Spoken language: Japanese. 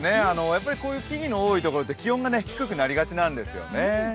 こういう木々の多い所は気温が低くなりがちなんですね。